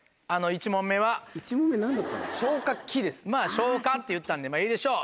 消火って言ったんでまぁいいでしょう。